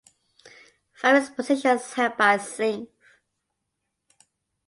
Various positions held by Singh.